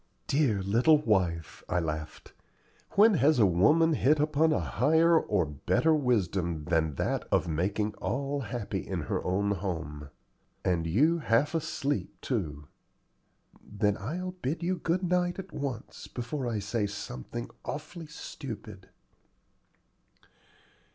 "Dear little wife!" I laughed; "when has woman hit upon a higher or better wisdom than that of making all happy in her own home? and you half asleep, too." "Then I'll bid you good night at once, before I say something awfully stupid."